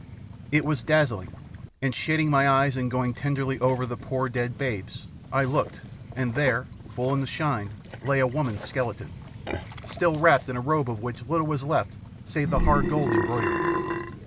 It was dazzling; and shading my eyes and going tenderly over through the poor dead babes, I looked, and there, full in the shine, lay a woman's skeleton, still wrapped in a robe of which little was left save the hard gold embroidery.